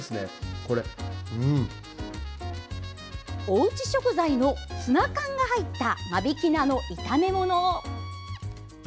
おうち食材のツナ缶が入った間引き菜の炒め物。